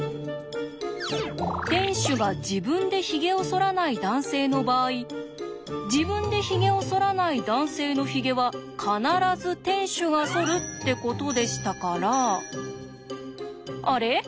店主が自分でヒゲをそらない男性の場合自分でヒゲをそらない男性のヒゲは必ず店主がそるってことでしたからあれ？